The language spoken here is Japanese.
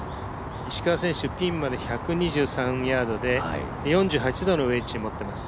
石川選手、ピンまで１２３ヤードで４８度のウェッジを持っています。